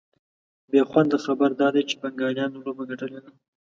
بېخونده خبر دا دی چي بنګالیانو لوبه ګټلې ده